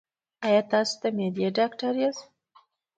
ایا تاسو د معدې ډاکټر یاست؟